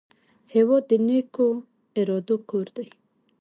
هېواد د نیکو ارادو کور دی.